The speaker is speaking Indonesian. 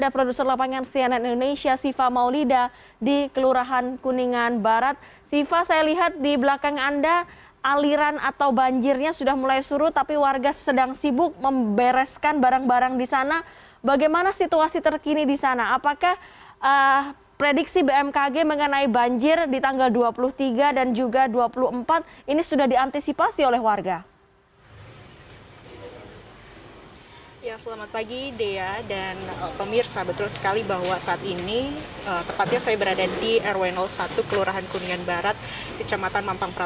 prediksi bmkg mengenai banjir di tanggal dua puluh tiga dan juga dua puluh empat ini sudah diantisipasi oleh warga